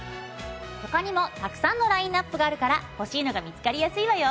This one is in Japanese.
他にもたくさんのラインナップがあるから欲しいのが見つかりやすいわよ。